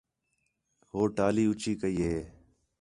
ہو ٹالی اُچّی کَئی ہِے